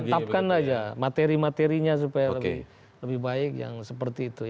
tetapkan saja materi materinya supaya lebih baik yang seperti itu